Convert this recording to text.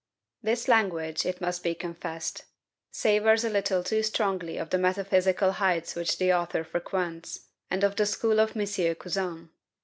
This language, it must be confessed, savors a little too strongly of the metaphysical heights which the author frequents, and of the school of M. Cousin.